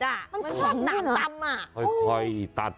มันชอบน้ำตำอ่ะ